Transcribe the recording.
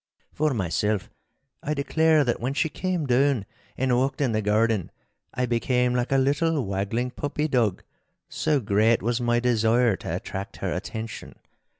For myself, I declare that when she came down and walked in the garden, I became like a little waggling puppy dog, so great was my desire to attract her attention.